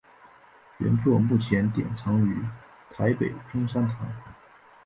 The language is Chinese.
原作目前典藏于台北中山堂。